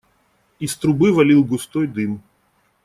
Из трубы валил густой дым.